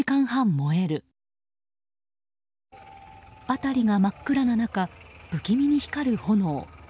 辺りが真っ暗な中不気味に光る炎。